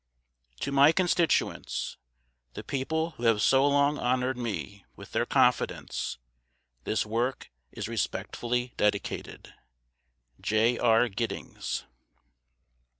TO MY CONSTITUENTS, THE PEOPLE WHO HAVE SO LONG HONORED ME WITH THEIR CONFIDENCE, THIS WORK IS RESPECTFULLY DEDICATED. J. R. GIDDINGS.